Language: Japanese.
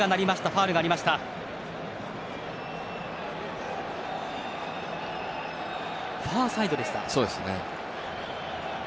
ファーサイドでした。